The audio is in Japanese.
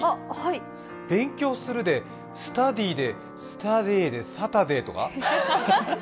勉強するで、スタディでスタディでサタデーとか？